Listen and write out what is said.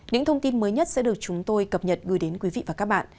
những thông tin mới nhất sẽ được chúng tôi cập nhật gửi đến quý vị và các bạn